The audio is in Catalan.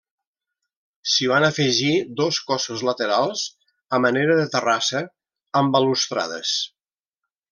S'hi van afegir dos cossos laterals a manera de terrassa, amb balustrades.